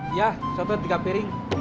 iya satu tiga piring